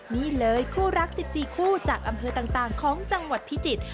นี่เลยคู่รัก๑๔คู่จากอำเภอต่างของจังหวัดพิจิตร